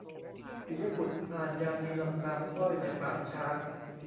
ปิยบุตรอ่านยานีลำนำ "อ้อยในปากช้าง"